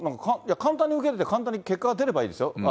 簡単に受けられて、簡単に結果が出ればいいですよ。